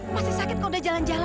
masih sakit kok udah jalan jalan